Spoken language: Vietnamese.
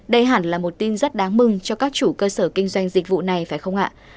đây hẳn là một tin rất đáng mừng cho các chủ cơ sở kinh doanh dịch vụ này phải không ạ